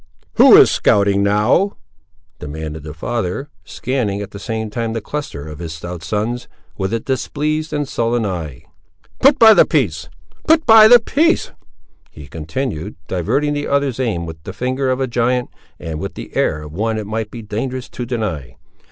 "Who is scouting, now?" demanded the father, scanning, at the same time, the cluster of his stout sons, with a displeased and sullen eye. "Put by the piece, put by the piece;" he continued, diverting the other's aim, with the finger of a giant, and with the air of one it might be dangerous to deny.